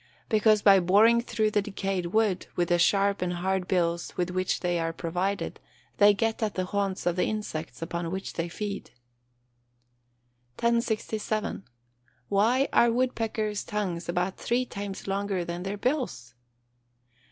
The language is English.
_ Because by boring through the decayed wood, with the sharp and hard bills with which they are provided, they get at the haunts of the insects upon which they feed. 1067. _Why are woodpeckers' tongues about three times longer than their bills?